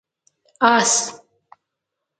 🐎 آس